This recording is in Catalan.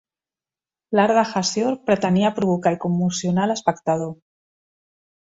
L'art de Hasior pretenia provocar i commocionar l'espectador.